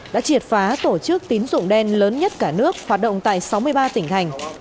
đã triệt phá tổ chức tín dụng đen lớn nhất cả nước hoạt động tại sáu mươi ba tỉnh thành